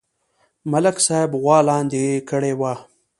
ملک صاحب غوا لاندې کړې وه